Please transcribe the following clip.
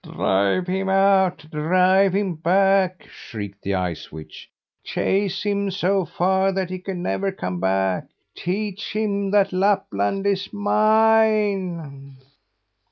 "Drive him out! Drive him back!" shrieked the Ice Witch. "Chase him so far that he can never come back! Teach him that Lapland is MINE!"